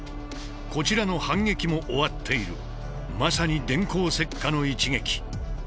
こちらの反撃も終わっているまさに電光石火の一撃。